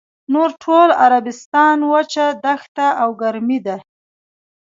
نور ټول عربستان وچه دښته او ګرمي ده.